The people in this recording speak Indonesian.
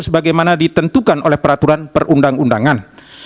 sebagaimana ditentukan oleh peraturan perundang undangan